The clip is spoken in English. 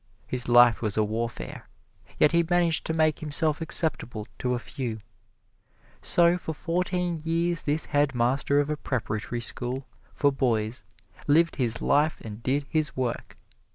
His life was a warfare. Yet he managed to make himself acceptable to a few; so for fourteen years this head master of a preparatory school for boys lived his life and did his work.